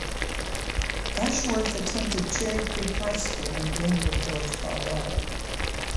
Ashworth attended Cherry Creek High School in Greenwood Village, Colorado.